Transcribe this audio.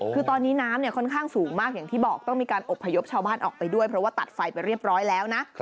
คือตอนนี้น้ำเนี่ยค่อนข้างสูงมากอย่างที่บอกต้องมีการอบพยพชาวบ้านออกไปด้วยเพราะว่าตัดไฟไปเรียบร้อยแล้วนะ